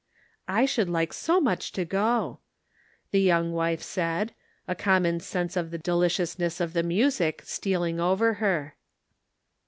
"I would like so much to go," the young wife said, a sudden sense of the delicious ness of the music stealing over her.